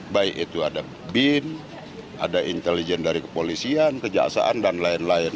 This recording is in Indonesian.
baik itu ada bin ada intelijen dari kepolisian kejaksaan dan lain lain